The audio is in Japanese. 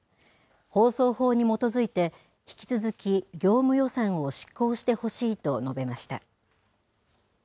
放送法に基づいて、引き続き業務予算を執行してほしいと述べました。